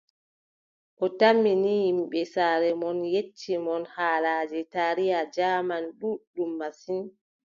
O tammi ni yimɓe mon, saaro mon yecci mon haalaaji taariya jaaman ɗuuɗɗum masin.